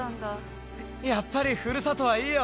やっぱりふるさとはいいよ。